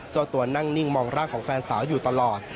เจ้าตัวนั่งนิ่งมองร่างของแฟนสาวอยู่ตลอด